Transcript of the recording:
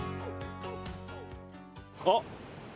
あっ。